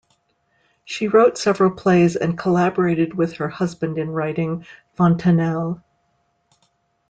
She wrote several plays and collaborated with her husband in writing "Fontenelle".